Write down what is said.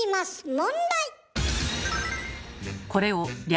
問題！